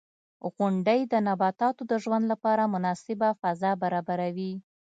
• غونډۍ د نباتاتو د ژوند لپاره مناسبه فضا برابروي.